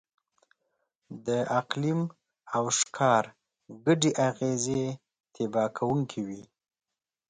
د اقلیم او ښکار ګډې اغېزې تباه کوونکې وې.